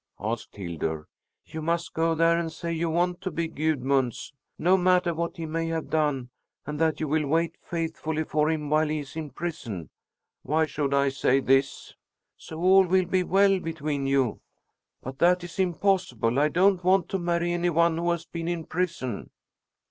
asked Hildur. "You must go there and say you want to be Gudmund's, no matter what he may have done, and that you will wait faithfully for him while he is in prison." "Why should I say this?" "So all will be well between you." "But that is impossible. I don't want to marry any one who has been in prison!"